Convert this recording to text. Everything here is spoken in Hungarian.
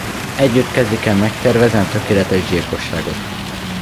Együtt kezdik el megtervezni a tökéletes gyilkosságot.